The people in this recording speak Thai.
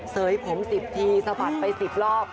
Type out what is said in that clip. เสริฟผมสิบทีสะพัดไปสิบรอบ